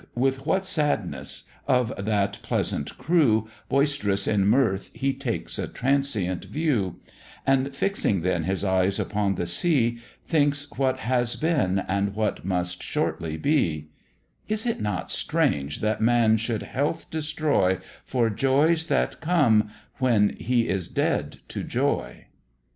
with what sadness, of that pleasant crew, Boist'rous in mirth, he takes a transient view; And fixing then his eye upon the sea, Thinks what has been and what must shortly be: Is it not strange that man should health destroy, For joys that come when he is dead to joy?